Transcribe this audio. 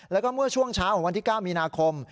แล้วก็เมื่อช่วงเช้าของวันที่๙มีนาคม